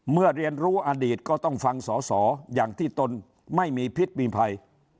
เรียนรู้อดีตก็ต้องฟังสอสออย่างที่ตนไม่มีพิษมีภัย